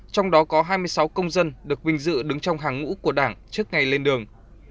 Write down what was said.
trong đó có hai mươi sáu công dân được vinh dự đứng trong hàng ngũ của đảng trước ngày lên đường